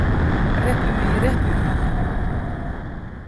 Repülj, repülj!